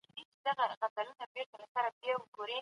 د مفرور ناول د عمري ډاکو ژوند انځوروي.